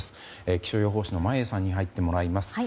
気象予報士の眞家さんに入ってもらいます。